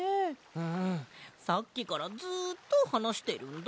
うんさっきからずっとはなしてるんだ。